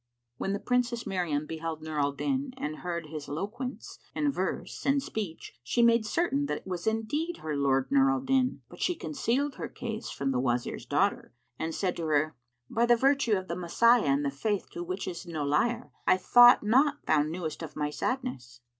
"[FN#558] When the Princess Miriam beheld Nur al Din and heard his loquence and verse and speech, she made certain that it was indeed her lord Nur al Din; but she concealed her case from the Wazir's daughter and said to her, "By the virtue of the Messiah and the Faith which is no liar, I thought not thou knewest of my sadness!"